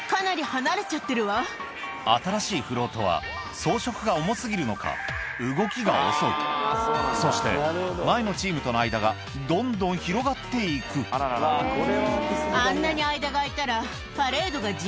新しいフロートは装飾が重過ぎるのか動きが遅いそして前のチームとの間がどんどん広がって行くやっぱり。